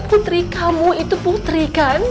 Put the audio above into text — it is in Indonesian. putri kamu itu putri kan